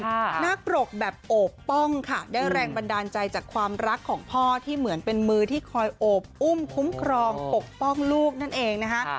หน้าปรกแบบโอบป้องค่ะได้แรงบันดาลใจจากความรักของพ่อที่เหมือนเป็นมือที่คอยโอบอุ้มคุ้มครองปกป้องลูกนั่นเองนะคะ